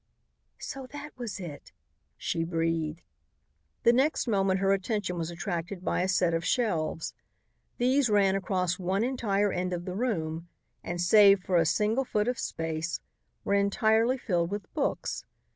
"So that was it," she breathed. The next moment her attention was attracted by a set of shelves. These ran across one entire end of the room and, save for a single foot of space, were entirely filled with books.